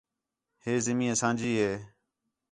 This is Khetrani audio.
ہے زمین اساں جی ہے